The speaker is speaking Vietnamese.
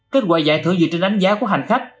kết quả giải thưởng dựa trên đánh giá của hành khách